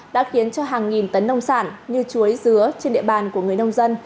đã khiến cho hàng nghìn tấn nông sản như chuối dứa trên địa bàn của người nông dân